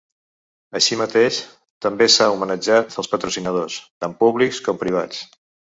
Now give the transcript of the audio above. Així mateix, també s’ha homenatjat als patrocinadors, tant públics com privats.